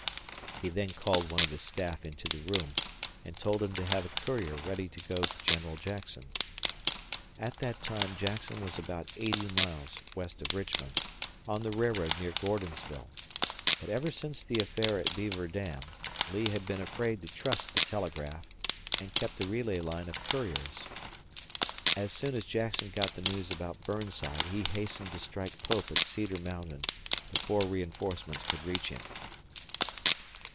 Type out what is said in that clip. He then called one of his staff into the room and told him to have a courier ready to go to General Jackson. At that time Jackson was about eighty miles west of Richmond, on the railroad near Gordonsville, but ever since the affair at Beaver Dam, Lee had been afraid to trust the telegraph, and kept a relay line of couriers. As soon as Jackson got the news about Burnside, he hastened to strike Pope at Cedar Mountain before reinforcements could reach him.